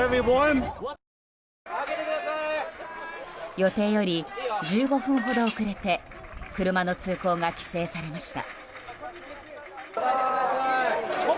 予定より１５分ほど遅れて車の通行が規制されました。